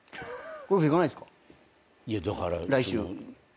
ゴルフ行かないんすか？